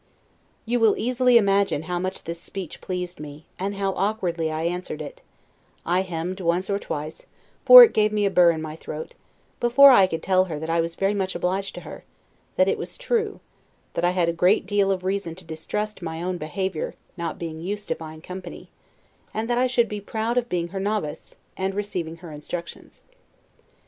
You will easily imagine how much this speech pleased me, and how awkwardly I answered it; I hemmed once or twice (for it gave me a bur in my throat) before I could tell her that I was very much obliged to her; that it was true, that I had a great deal of reason to distrust my own behavior, not being used to fine company; and that I should be proud of being her novice, and receiving her instructions.